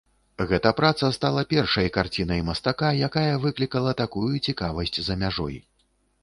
Гэта праца стала першай карцінай мастака, якая выклікала такую цікавасць за мяжой.